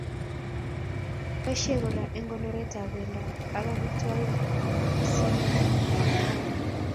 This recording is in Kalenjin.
Boishei kora eng konoret ab bendo ak amitwokik asimangemak